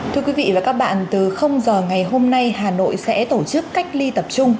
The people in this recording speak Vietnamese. thưa quý vị và các bạn từ giờ ngày hôm nay hà nội sẽ tổ chức cách ly tập trung